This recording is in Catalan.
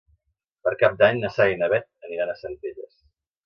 Per Cap d'Any na Sara i na Bet aniran a Centelles.